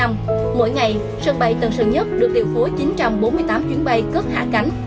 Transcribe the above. mỗi ngày sân bay tân sơn nhất được điều phối chín trăm bốn mươi tám chuyến bay cất hạ cánh